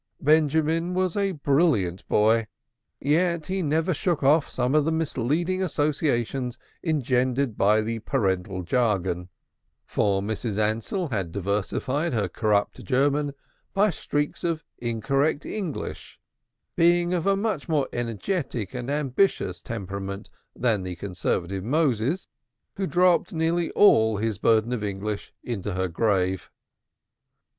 Benjamin was a brilliant boy, yet he never shook off some of the misleading associations engendered by the parental jargon. For Mrs. Ansell had diversified her corrupt German by streaks of incorrect English, being of a much more energetic and ambitious temperament than the conservative Moses, who dropped nearly all his burden of English into her grave.